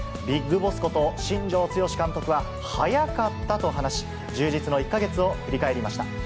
ビッグボスこと、新庄剛志監督は早かったと話し、充実の１か月を振り返りました。